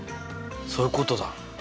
そういうことだ。